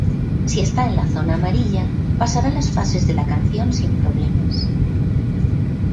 Si está en la zona amarilla, pasará las fases de la canción sin problemas.